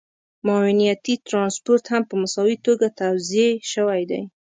معاونيتي ټرانسپورټ هم په مساوي توګه توزیع شوی دی